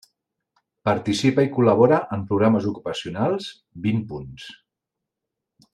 Participa i col·labora en programes ocupacionals, vint punts.